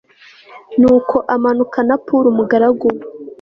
nuko amanukana na pura umugaragu we